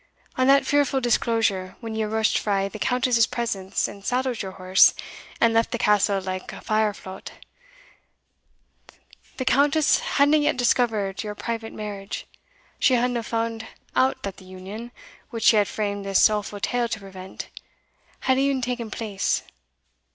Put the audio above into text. On that fearfu' disclosure, when ye rushed frae the Countess's presence and saddled your horse, and left the castle like a fire flaught, the Countess hadna yet discovered your private marriage; she hadna fund out that the union, which she had framed this awfu' tale to prevent, had e'en taen place.